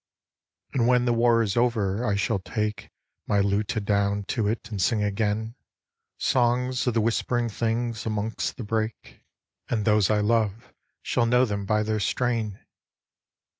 And when the war is over I shall take My lute a down to it and sing again Songs of the whispering things amongst the brake, 155 156 THE PLACE And those I love shall know them by their strain.